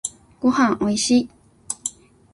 ごはんおいしい。